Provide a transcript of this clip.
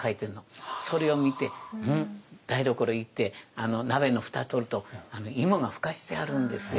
それを見て台所行って鍋の蓋取ると芋がふかしてあるんですよ。